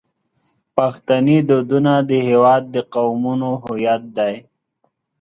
پښتني دودونه د هیواد د قومونو هویت دی.